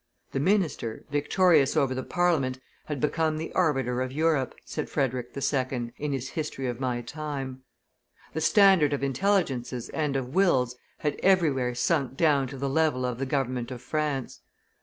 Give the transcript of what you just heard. "The minister, victorious over the Parliament, had become the arbiter of Europe," said Frederick II., in his History of my Time. The standard of intelligences and of wills had everywhere sunk down to the level of the government of France.